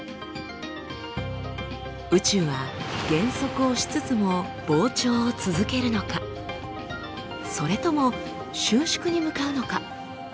宇宙は減速をしつつも膨張を続けるのかそれとも収縮に向かうのか。